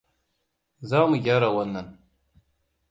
Za mu gyara wannan.